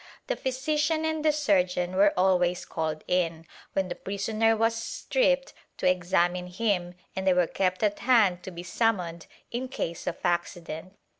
The physi cian and the surgeon were always called in, when the prisoner was stripped, to examine him and they were kept at hand to be summoned in case of accident.